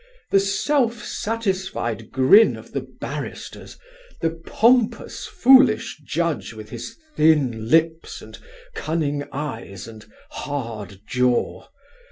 The self satisfied grin of the barristers, the pompous foolish judge with his thin lips and cunning eyes and hard jaw.